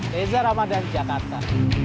reza ramadan jakarta